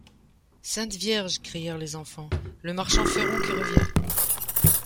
Sainte Vierge! crièrent les enfants ; le marchand feron qui revient !